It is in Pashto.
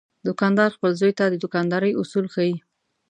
دوکاندار خپل زوی ته د دوکاندارۍ اصول ښيي.